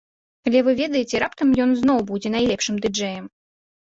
Але вы ведаеце, раптам ён ізноў будзе найлепшым ды-джэем?